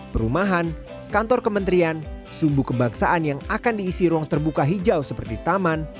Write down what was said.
perumahan kantor kementerian sumbu kebangsaan yang akan diisi ruang terbuka hijau seperti taman